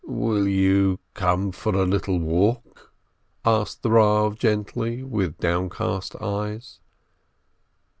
"Will you come for a little walk?" asked the Eav gently, with downcast eyes.